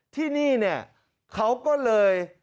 ที่นี่เนี่ยเขาก็เลย